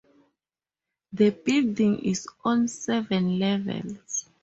The building is on seven levels.